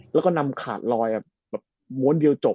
แล้วก็นำขาดลอยแบบม้วนเดียวจบ